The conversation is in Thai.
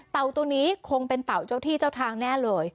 ตัวนี้คงเป็นเต่าเจ้าที่เจ้าทางแน่เลย